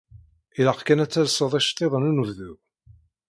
Ilaq kan ad telseḍ iceṭṭiḍen unebdu.